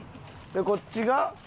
でこっちが。